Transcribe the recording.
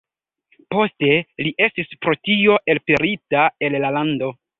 Poste li estis pro tio elpelita el la lando.